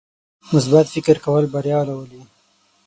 مثبت فکر کول بریا راولي.